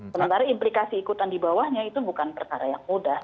sementara implikasi ikutan di bawahnya itu bukan perkara yang mudah